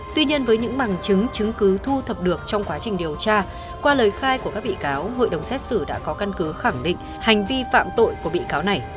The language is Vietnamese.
tuy nhiên với những bằng chứng chứng cứ thu thập được trong quá trình điều tra qua lời khai của các bị cáo hội đồng xét xử đã có căn cứ khẳng định hành vi phạm tội của bị cáo này